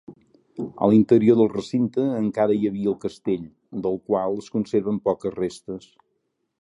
A l'interior del recinte encara hi havia el Castell, del qual es conserven poques restes.